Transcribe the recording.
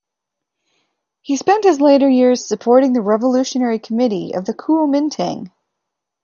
He spent his later years supporting the Revolutionary Committee of the Kuomintang.